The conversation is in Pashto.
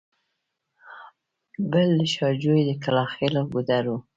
بل د شاه جوی د کلاخېلو ګودر و.